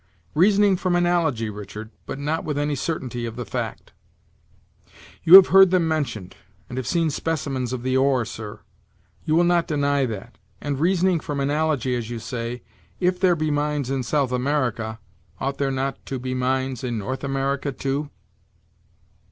"Reasoning from analogy, Richard, but not with any certainty of the fact." "You have heard them mentioned, and have seen specimens of the ore, sir; you will not deny that! and, reasoning from analogy, as you say, if there be mines in South America, ought there not to be mines in North America too?"